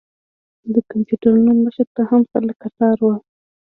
د کمپیوټرونو مخې ته هم خلک کتار و.